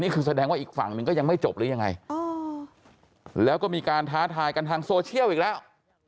แสดงว่าอีกฝั่งหนึ่งก็ยังไม่จบหรือยังไงแล้วก็มีการท้าทายกันทางโซเชียลอีกแล้ว